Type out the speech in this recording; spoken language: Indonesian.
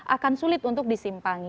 akan sulit untuk disimpangi